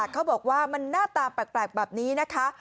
เขาบอกว่ามันหน้าตาแปลกแบบนี้นะคะ